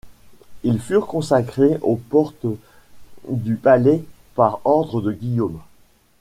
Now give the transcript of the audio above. Ils furent massacrés aux portes du palais par ordre de Guillaume.